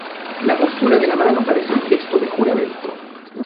La postura de la mano parece un gesto de juramento.